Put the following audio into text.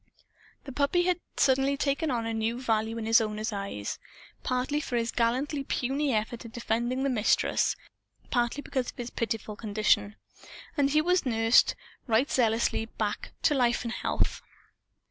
The puppy had suddenly taken on a new value in his owners' eyes partly for his gallantly puny effort at defending the Mistress, partly because of his pitiful condition. And he was nursed, right zealously, back to life and health.